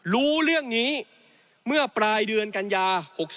รู้เรื่องนี้เมื่อปลายเดือนกันยา๖๔